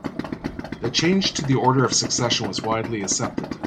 The change to the order of succession was widely accepted.